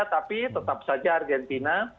tapi tetap saja argentina